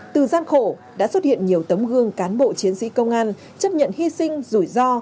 từ gian khổ đã xuất hiện nhiều tấm gương cán bộ chiến sĩ công an chấp nhận hy sinh rủi ro